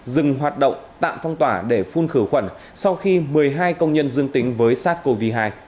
dừng hoạt động tạm phong tỏa để phun khử khuẩn sau khi một mươi hai công nhân dương tính với sars cov hai